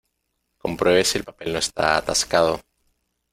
Compruebe si el papel no está atascado.